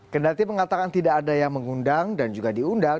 kendati mengatakan tidak ada yang mengundang dan juga diundang